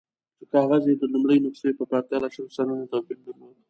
چې کاغذ یې د لومړۍ نسخې په پرتله شل سلنه توپیر درلود.